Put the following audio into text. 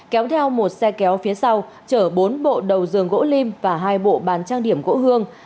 kéo theo một xe kéo phía sau chở bốn bộ đầu giường gỗ lim và hai bộ bàn trang điểm gỗ hương